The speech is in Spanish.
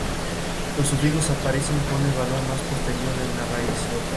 Los sufijos aparecen con el valor más posterior en la raíz.